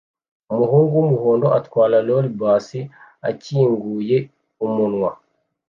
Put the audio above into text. Umuhungu wumuhondo atwara roller-bus akinguye umunwa